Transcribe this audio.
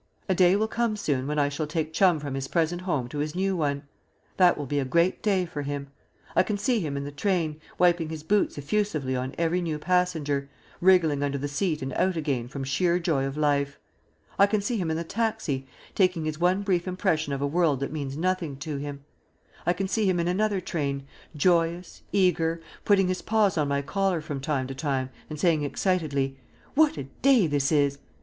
A day will come soon when I shall take Chum from his present home to his new one. That will be a great day for him. I can see him in the train, wiping his boots effusively on every new passenger, wriggling under the seat and out again from sheer joy of life; I can see him in the taxi, taking his one brief impression of a world that means nothing to him; I can see him in another train, joyous, eager, putting his paws on my collar from time to time and saying excitedly, "What a day this is!"